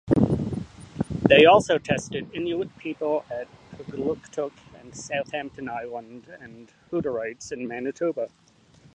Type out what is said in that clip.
They also tested Inuit people at Kugluktuk and Southampton Island and Hutterites in Manitoba.